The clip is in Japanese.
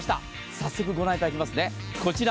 早速御覧いただきますね。